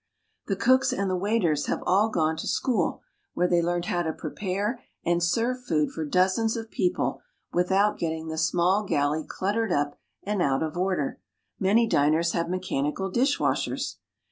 The cooks and the waiters have all gone to school where they learned how to prepare and serve food for dozens of people without getting the small galley cluttered up and out of order. Many diners have mechanical dishwashers.